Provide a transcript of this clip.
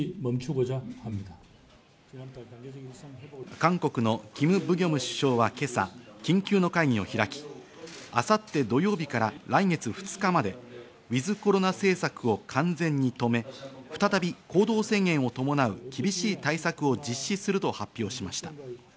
韓国のキム・ブギョム首相は今朝、緊急の会議を開き、明後日土曜日から来月２日までウィズコロナ政策を完全に止め、再び行動制限を伴う厳しい対策を実施すると発表しました。